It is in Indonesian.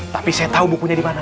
tapi saya tahu bukunya dimana